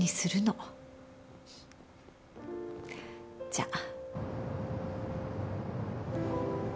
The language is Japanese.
じゃあ。